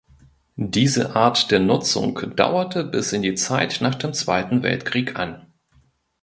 Diese Art der Nutzung dauerte bis in die Zeit nach dem Zweiten Weltkrieg an.